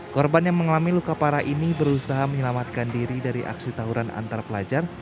korban yang mengalami luka parah ini berusaha menyelamatkan diri dari aksi tawuran antar pelajar